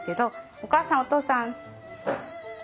お母さんお父さん。